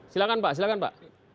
silahkan pak silahkan pak